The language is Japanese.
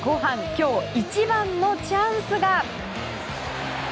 今日一番のチャンスが。